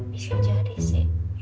bisa jadi sih